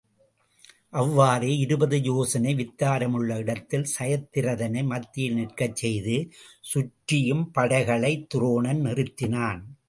அவ்வாறே இருபது யோசனை வித்தாரமுள்ள இடத்தில் சயத்திரதனை மத்தியில் நிற்கச் செய்து சுற்றியும் படைகளைத் துரோணன் நிறுத்தினான்.